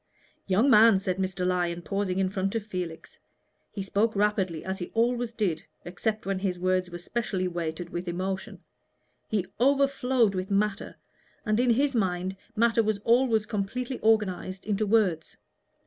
"Young man," said Mr. Lyon, pausing in front of Felix. He spoke rapidly, as he always did, except when his words were specially weighted with emotion: he overflowed with matter, and in his mind matter was always completely organized into words.